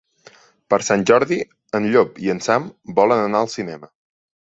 Per Sant Jordi en Llop i en Sam volen anar al cinema.